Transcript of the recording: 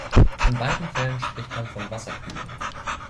In beiden Fällen spricht man von Wasserkühlung.